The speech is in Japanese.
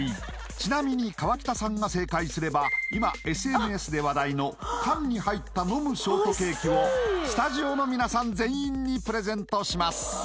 ちなみに河北さんが正解すれば今ＳＮＳで話題の缶に入った飲むショートケーキをスタジオの皆さん全員にプレゼントします